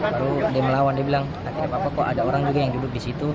lalu dia melawan dia bilang tidak apa apa kok ada orang juga yang duduk di situ